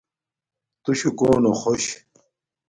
تُشُݸ کݸنݸ خݸش؟